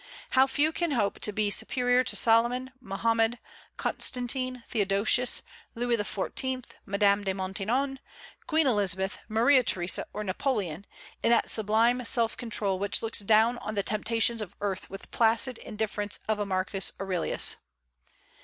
How few can hope to be superior to Solomon, Mohammed, Constantine, Theodosius, Louis XIV., Madame de Maintenon, Queen Elizabeth, Maria Theresa, or Napoleon, in that sublime self control which looks down on the temptations of earth with the placid indifference of a Marcus Aurelius!